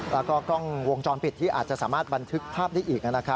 แล้วก็กล้องวงจรปิดที่อาจจะสามารถบันทึกภาพได้อีก